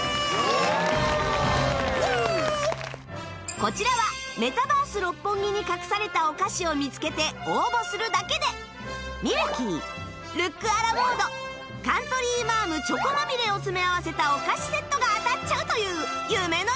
こちらはメタバース六本木に隠されたお菓子を見つけて応募するだけでミルキールックア・ラ・モードカントリーマアムチョコまみれを詰め合わせたお菓子セットが当たっちゃうという夢のような企画